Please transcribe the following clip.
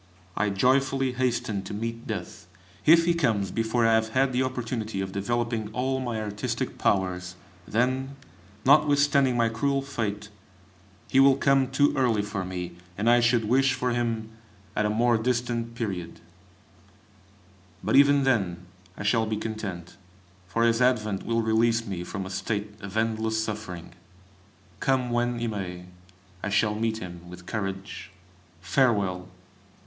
I joyfully hasten to meet Death. If he comes before I have had the opportunity of developing all my artistic powers, then, notwithstanding my cruel fate, he will come too early for me, and I should wish for him at a more distant period; but even then I shall be content, for his advent will release me from a state of endless suffering. Come when he may, I shall meet him with courage. Farewell!